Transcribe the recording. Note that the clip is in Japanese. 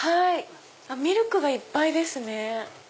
ミルクがいっぱいですね。